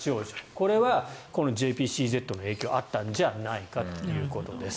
これはＪＰＣＺの影響があったんじゃないかということです。